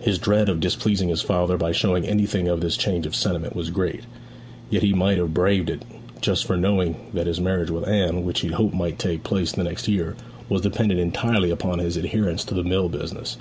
His dread of displeasing his father by showing anything of this change of sentiment was great; yet he might have braved it but for knowing that his marriage with Anne, which he hoped might take place the next year, was dependent entirely upon his adherence to the mill business.